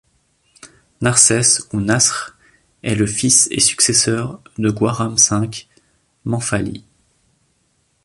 Narsès ou Nasr est le fils et successeur de Gouaram V Mamphali.